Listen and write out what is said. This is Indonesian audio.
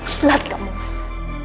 kelat kamu mas